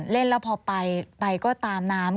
เล่นแล้วพอไปก็ตามน้ำ